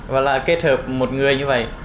và là kết hợp một người như vậy